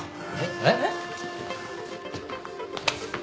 えっ？